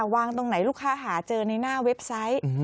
วางตรงไหนลูกค้าหาเจอในหน้าเว็บไซต์